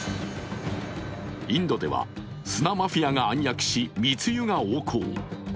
インドでは砂マフィアが暗躍し密輸が横行。